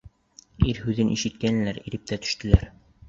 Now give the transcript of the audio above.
Ир һүҙен ишеткәйнеләр, иреп тә төштөләр!